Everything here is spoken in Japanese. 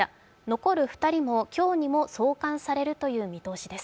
残る２人も今日にも送還されるという見通しです。